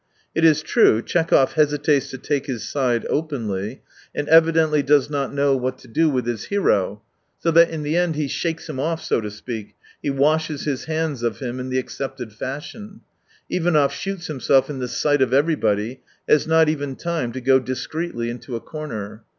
It is true, Tchekhov hesitates to take his side openly, and evidently does not know what to do 94 with his hero, so that in the end he shakes him off, so to speak, he washes his hatids of him in the accepted fashion : Ivanov shoots himself in the sight of everybody, has not even time to go discreetly into a corner.